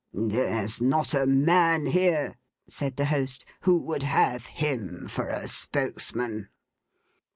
'There's not a man here,' said the host, 'who would have him for a spokesman.